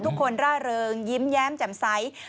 ทุกคนร่าเริงยิ้มแย้มแจ่มไซส์